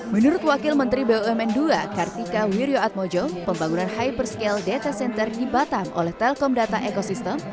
menurut wakil menteri bumn ii kartika wirjoatmojo pembangunan hyperscale data center di batam oleh telkom data ekosistem